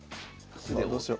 どうしよう。